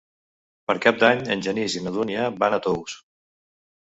Per Cap d'Any en Genís i na Dúnia van a Tous.